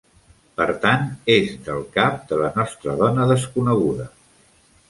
Per tant, és del cap de la nostra dona desconeguda.